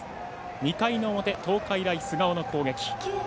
２回の表、東海大菅生の攻撃。